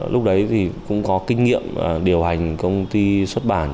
lúc đấy thì cũng có kinh nghiệm điều hành công ty xuất bản